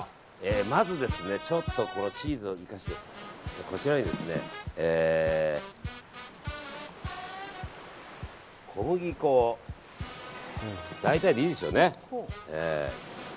まず、チーズを抜かしてこちらに小麦粉を大体でいいですよね。